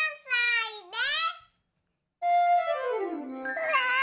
うわ！